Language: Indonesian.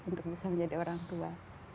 untuk bisa menjadi orang tua